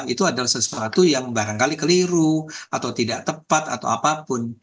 itu adalah sesuatu yang barangkali keliru atau tidak tepat atau apapun